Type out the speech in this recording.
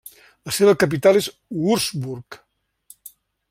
La seva capital es Würzburg.